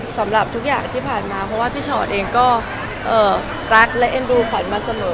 สำหรับทุกอย่างที่ผ่านมาเพราะว่าพี่ชอตเองก็รักและเอ็นดูขวัญมาเสมอ